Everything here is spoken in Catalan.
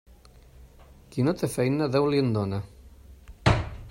Qui no té faena, Déu li'n dóna.